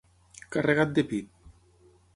Carregat de pit.